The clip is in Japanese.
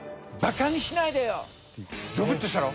ゾクッとしたろ？